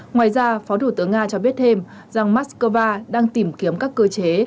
ngoài ra phó thủ tướng nga cho biết thêm rằng moscow đang tìm kiếm các cơ chế